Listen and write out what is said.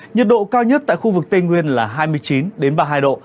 nhiệt độ cao nhất tại khu vực tây nguyên là hai mươi chín ba mươi hai độ